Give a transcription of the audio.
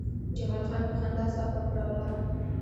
جمال خان په خندا ځواب ورکړ او لاړ